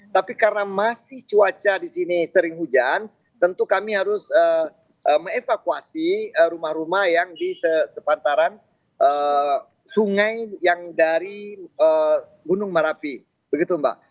tapi karena masih cuaca di sini sering hujan tentu kami harus mengevakuasi rumah rumah yang di sepantaran sungai yang dari gunung merapi begitu mbak